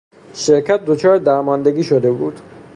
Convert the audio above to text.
شرکت دچار درماندگی شده بود.